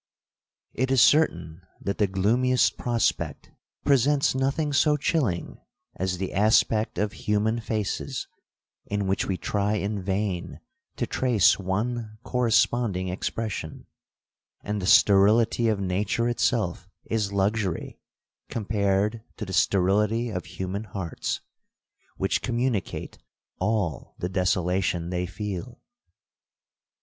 'It is certain that the gloomiest prospect presents nothing so chilling as the aspect of human faces, in which we try in vain to trace one corresponding expression; and the sterility of nature itself is luxury compared to the sterility of human hearts, which communicate all the desolation they feel.